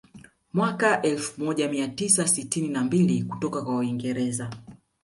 Mwaka elfu moja mia tisa sitini na mbili kutoka kwa waingereza